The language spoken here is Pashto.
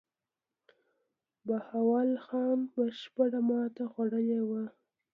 بهاول خان بشپړه ماته خوړلې وه.